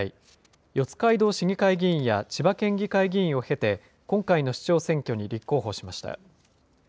四街道市議会議員や千葉県議会議員を経て、今回の市長選挙に立候補しました。